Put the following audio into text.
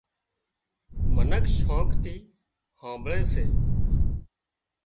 منک شوق ٿِي هامڀۯي سي